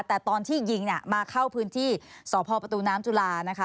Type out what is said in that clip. แต่ตอนที่ยิงมาเข้าพื้นที่สพปน้ำจุฬา